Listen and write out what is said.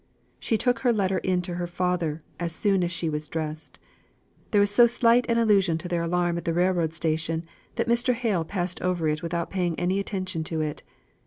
She took her letter in to her father as soon as she was drest. There was so slight an allusion to their alarm at the railroad station, that Mr. Hale passed over it without paying any attention to it.